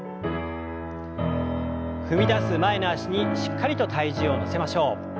踏みだす前の脚にしっかりと体重を乗せましょう。